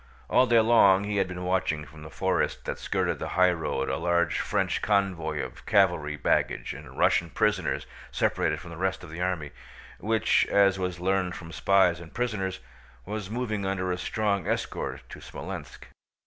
All day long he had been watching from the forest that skirted the highroad a large French convoy of cavalry baggage and Russian prisoners separated from the rest of the army, which—as was learned from spies and prisoners—was moving under a strong escort to Smolénsk.